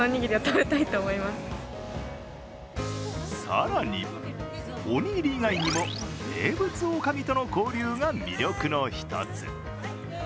更に、おにぎり以外にも名物おかみとの交流が魅力の一つ。